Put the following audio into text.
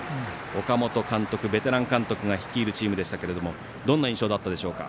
岡本監督、ベテラン監督が率いるチームでしたがどんな印象だったでしょうか？